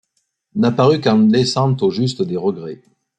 N'apparût qu'en laissant aux justes des regrets